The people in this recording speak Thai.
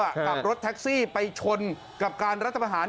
กลับรถแท็กซี่ไปชนกับการรัฐภาษณ์